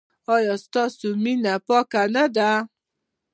ایا ستاسو مینه پاکه نه ده؟